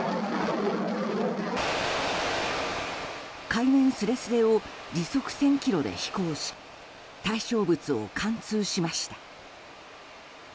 海面すれすれを時速１０００キロで飛行し対象物を貫通しました。